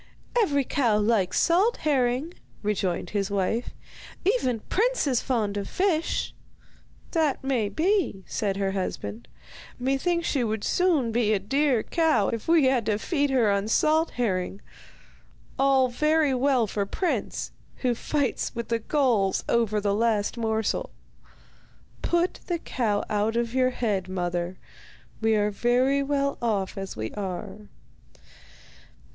'Every cow likes salt herring,' rejoined his wife. 'Even Prince is fond of fish.' 'That may be,' said her husband. 'Methinks she would soon be a dear cow if we had to feed her on salt herring. All very well for Prince, who fights with the gulls over the last morsel. Put the cow out of your head, mother, we are very well off as we are.